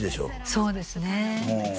そうですね